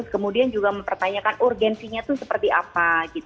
kemudian juga mempertanyakan urgensinya itu seperti apa